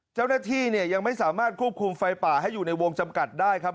เจ้าหน้าที่เนี่ยยังไม่สามารถควบคุมไฟป่าให้อยู่ในวงจำกัดได้ครับ